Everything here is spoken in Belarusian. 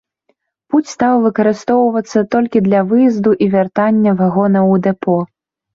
Пуць стаў выкарыстоўвацца толькі для выезду і вяртання вагонаў у дэпо.